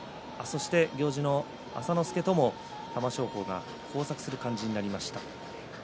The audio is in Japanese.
行司の朝之助とも玉正鳳交錯する感じになりました。